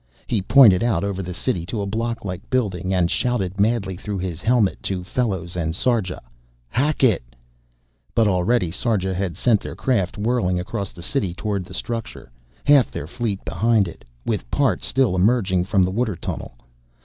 He pointed out over the city to a block like building, and shouted madly through his helmet to Fellows and Sarja: "Hackett!" But already Sarja had sent their craft whirling across the city toward the structure, half their fleet behind it, with part still emerging from the water tunnel.